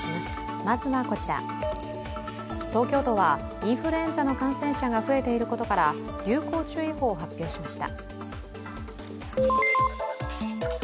東京都はインフルエンザの感染者が増えていることから流行注意報を発表しました。